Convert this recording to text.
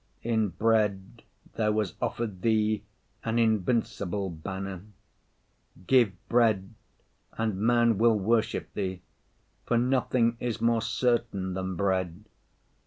In bread there was offered Thee an invincible banner; give bread, and man will worship thee, for nothing is more certain than bread.